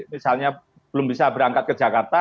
misalnya belum bisa berangkat ke jakarta